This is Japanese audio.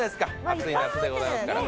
暑い夏でございますから。